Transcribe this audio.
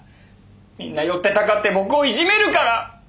みんな寄ってたかって僕をいじめるから！